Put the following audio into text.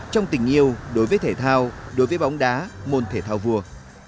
trong tình yêu đối với thể thao đối với bóng đá môn thể thao vua